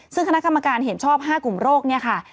ซึ่งคณะกรรมการเห็นชอบ๕กลุ่มโรคเนี่ยค่ะ